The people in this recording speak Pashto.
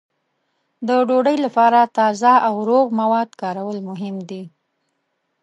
د ډوډۍ لپاره تازه او روغ مواد کارول مهم دي.